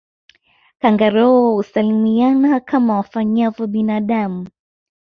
Kangaroo husalimiana kama wafanyavyo binadamu